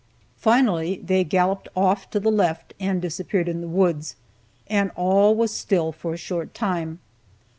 Finally they galloped off to the left and disappeared in the woods, and all was still for a short time.